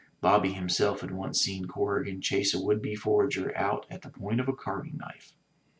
Bobby himself had once seen Corrigan chase a would be forager out at the point of a carving knife.